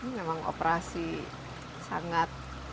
ini memang operasi sangat